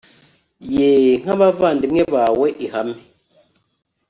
yeee nk'abavandimwe bawe ihame